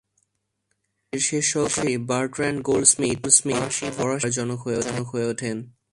ক্যুরির শেষ সহকারী বারট্রান্ড গোল্ডস্মিট ফরাসি বোমার জনক হয়ে ওঠেন।